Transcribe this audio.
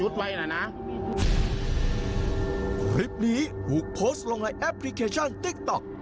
คลิปนี้ถูกโพสต์ลงในแอปพลิเคชันติ๊กต๊อก